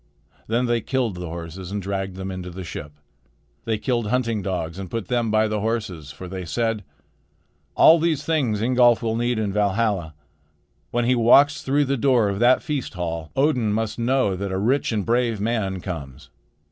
Then they killed the horses and dragged them into the ship. They killed hunting dogs and put them by the horses; for they said: "All these things Ingolf will need in Valhalla. When he walks through the door of that feast hall, Odin must know that a rich and brave man comes.